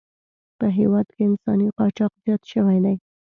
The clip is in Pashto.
په هېواد کې انساني قاچاق زیات شوی دی.